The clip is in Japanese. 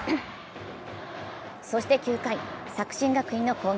そして９回、作新学院の攻撃。